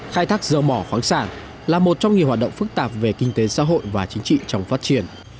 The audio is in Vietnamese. khai thác dầu mỏ khoáng sản là một trong nhiều hoạt động phức tạp về kinh tế xã hội và chính trị trong phát triển